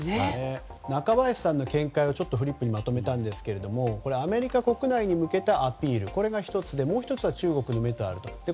中林さんの見解をフリップにまとめたんですがアメリカ国内に向けたアピールこれが１つでもう１つは中国の目と。